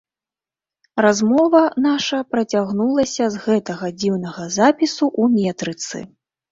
Размова наша працягнулася з гэтага дзіўнага запісу ў метрыцы.